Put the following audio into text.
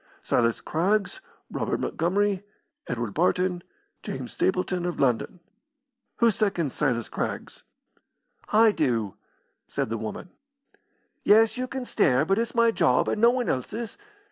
Silas Craggs, Robert Montgomery, Edward Barton, James Stapleton, of London. Who seconds Silas Craggs?" "I do," said the woman. "Yes, you can stare, but it's my job, and no one else's.